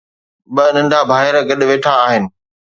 ٻه ننڍا ڀائر گڏ ويٺا آهن